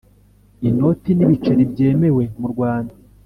Inoti n ibiceri byemewe mu Rwanda